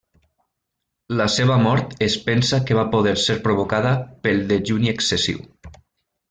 La seva mort es pensa que va poder ser provocada pel dejuni excessiu.